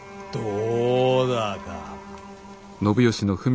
どうだか。